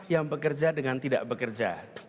yang bekerja dengan tidak bekerja